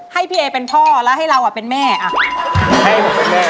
ให้พี่เอเป็นพ่อแล้วให้เราเป็นแม่อ่ะให้ผมเป็นแม่